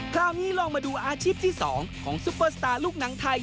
คราวนี้ลองมาดูอาชีพที่๒ของซุปเปอร์สตาร์ลูกหนังไทย